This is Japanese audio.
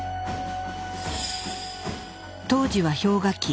当時は氷河期。